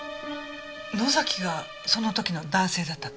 野崎がその時の男性だったと？